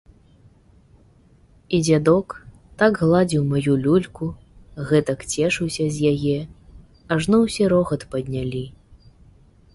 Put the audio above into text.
І дзядок так гладзіў маю люльку, гэтак цешыўся з яе, ажно усе рогат паднялі.